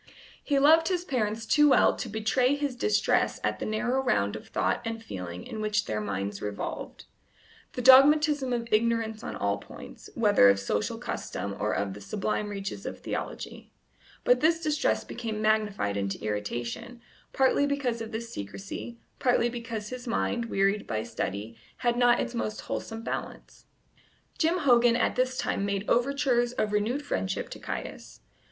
He loved his parents too well to betray his just distress at the narrow round of thought and feeling in which their minds revolved the dogmatism of ignorance on all points, whether of social custom or of the sublime reaches of theology; but this distress became magnified into irritation, partly because of this secrecy, partly because his mind, wearied by study, had not its most wholesome balance. Jim Hogan at this time made overtures of renewed friendship to Caius.